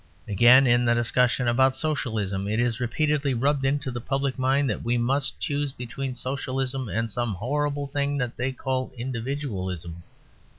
Again, in the discussion about Socialism, it is repeatedly rubbed into the public mind that we must choose between Socialism and some horrible thing that they call Individualism.